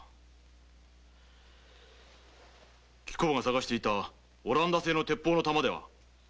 貴公が捜しているオランダ製の鉄砲弾では？